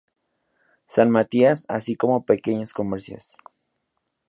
San Matías, así como pequeños comercios.